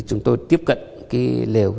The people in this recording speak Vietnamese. chúng tôi tiếp cận cái lều